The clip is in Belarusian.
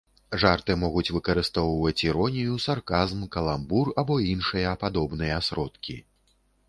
Жарты могуць выкарыстоўваць іронію, сарказм, каламбур або іншыя падобныя сродкі.